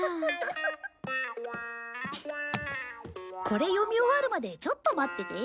これ読み終わるまでちょっと待ってて。